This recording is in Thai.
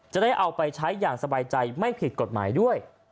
จะได้เอาไปใช้อย่างสบายใจไม่ผิดกฎหมายด้วย